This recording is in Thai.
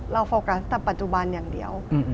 โฟกัสแต่ปัจจุบันอย่างเดียว